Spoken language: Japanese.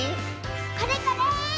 これこれ！